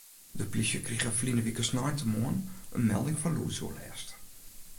De plysje krige ferline wike sneintemoarn in melding fan lûdsoerlêst.